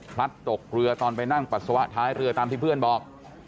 ตกเรือตอนไปนั่งปัสสาวะท้ายเรือตามที่เพื่อนบอก